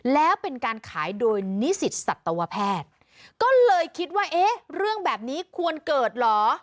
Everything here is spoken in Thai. แล้วเป็นการขายโดยนิสิตสัตวแพทย์ก็เลยคิดว่าเอ๊ะเรื่องแบบนี้ควรเกิดเหรอ